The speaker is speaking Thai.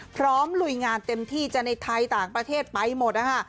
ลุยงานเต็มที่จะในไทยต่างประเทศไปหมดนะคะ